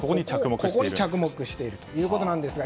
ここに着目しているということなんですが。